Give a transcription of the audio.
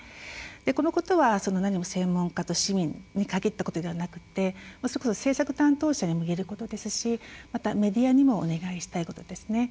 このことはなにも専門家と市民に限ったことではなくてそれこそ政策担当者にも言えることですしまたメディアにもお願いしたいことですね。